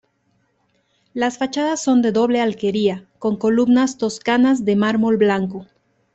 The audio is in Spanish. Las fachadas son de doble alquería con columnas toscanas de mármol blanco.